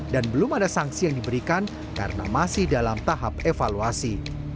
dan belum ada sanksi yang diberikan karena masih dalam tahap evaluasi